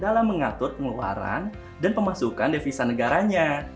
dalam mengatur pengeluaran dan pemasukan devisa negaranya